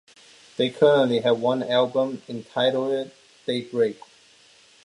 They currently have one album entitled "Daybreak".